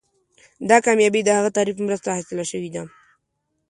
دا کامیابي د هغه تعریف په مرسته حاصله شوې ده.